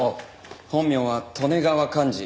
本名は利根川寛二。